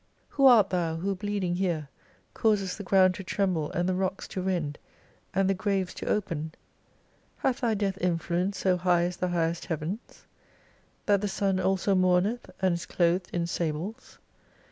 Who art Thou who bleeding here causest the ground to tremble and the rocks to rend, and the graves to open ? Hath Thy death mfluence so high as the highest Heavens ? That the Sun also moumeth and is clothed in sables